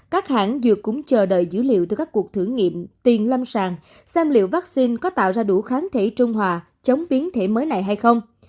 các hãng dược cũng chờ đợi dữ liệu từ các cuộc thử nghiệm tiền lâm sàng xem liệu vaccine có tạo ra đủ kháng thể trung hòa chống biến thể mới này hay không